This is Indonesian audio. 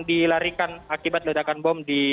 dilarikan akibat ledakan bom di